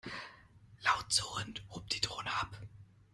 Laut surrend hob die Drohne ab.